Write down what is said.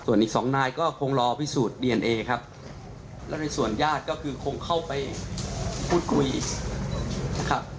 ส่วนอีกสองนายก็คงรอพิสูจน์ดีเอนเอครับแล้วในส่วนญาติก็คือคงเข้าไปพูดคุยนะครับ